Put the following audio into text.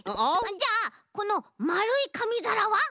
じゃあこのまるいかみざらは？